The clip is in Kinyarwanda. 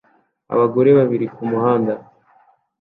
Abagore babiri kumuhanda